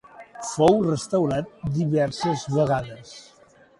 Fou restaurat diverses vegades.